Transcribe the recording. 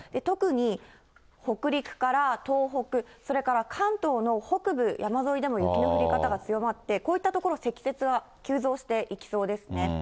特に、北陸から東北、それから関東の北部山沿いでも雪の降り方が強まって、こういった所、積雪は急増していきそうですね。